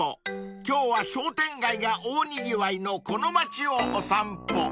今日は商店街が大にぎわいのこの町をお散歩］